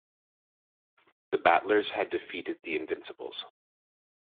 The 'battlers' had defeated the 'invincibles'.